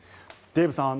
デーブさん